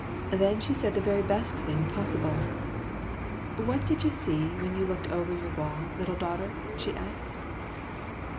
Then she said the very best thing possible. " What did you see when you looked over your wall, little daughter ?" she asked.